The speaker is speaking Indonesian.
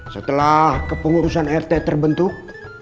setelah kepengurusan rt terbentuk